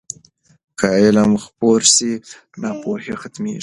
که علم خپور سي، ناپوهي ختمېږي.